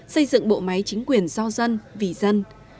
xây dựng bộ máy chính quyền do dân vì dân